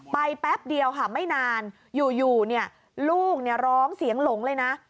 แป๊บเดียวค่ะไม่นานอยู่ลูกร้องเสียงหลงเลยนะ